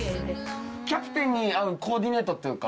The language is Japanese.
キャプテンに合うコーディネートっていうか。